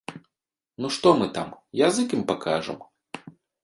Ну што мы там, язык ім пакажам?